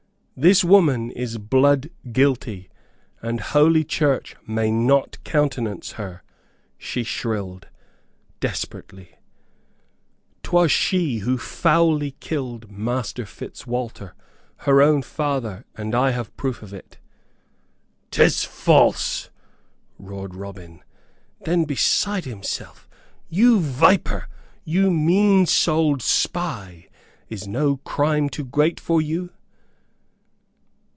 "This woman is blood guilty, and Holy Church may not countenance her." She shrilled, desperately, "'Twas she who foully killed Master Fitzwalter, her own father, and I have proof of it!" "'Tis false!" roared Robin, then beside himself. "You viper you mean souled spy! Is no crime too great for you?"